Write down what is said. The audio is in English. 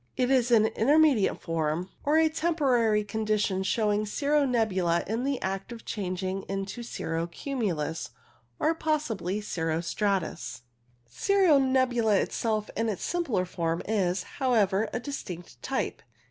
It is an intermediate form, or a 28 CIRRUS temporary condition, showing cirro nebula in the act of changing into cirro cumulus, or possibly cirro stratus. Cirro nebula itself, in its simpler form, is, how ever, a distinct type.